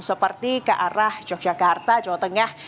seperti ke arah yogyakarta jawa tengah